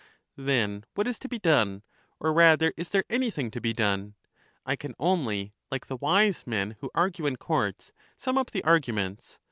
Then what is to be done? Or rather is there any thing to be done? I can only, like the wise men who argue in courts, sum up the arguments.